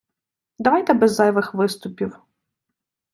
Давайте без зайвих виступів.